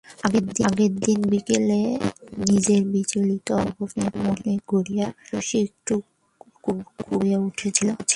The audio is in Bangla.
আগের দিন বিকালে নিজের বিচলিত অবস্থা মনে করিয়া শশী একটু ক্ষুব্ধ হইয়া উঠিয়াছিল।